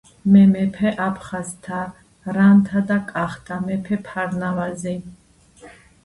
მე მეფე აფხაზთა რანთა და კახთა მეფე ფარნავაზი